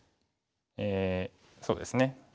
そうですね